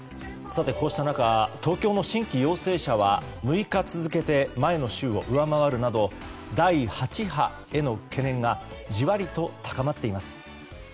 さて、こうした中東京の新規陽性者は６日続けて前の週を上回るなど第８波への懸念がジワリと高まっています。